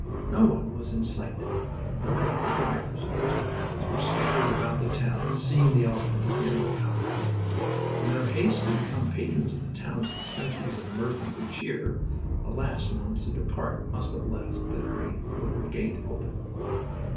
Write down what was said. No one was in sight. No doubt the drivers of those wagons were scattered about the town "seeing the elephant and hearing the owl." In their haste to become patrons of the town's dispensaries of mirth and good cheer the last ones to depart must have left the great wooden gate swinging open.